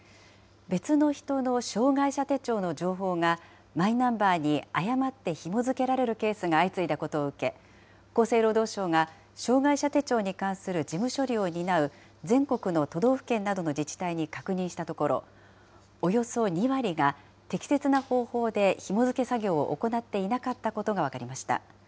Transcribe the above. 別の人の障害者手帳の情報がマイナンバーに誤ってひも付けられるケースが相次いだことを受け、厚生労働省が障害者手帳に関する事務処理を担う全国の都道府県などの自治体に確認したところ、およそ２割が適切な方法でひも付け作業を行っていなかったことが分かりました。